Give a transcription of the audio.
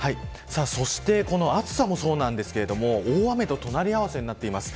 この暑さもそうですが大雨と隣合わせになっています。